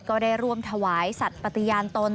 ก็ได้ร่วมถวายสัตว์ปฏิญาณตน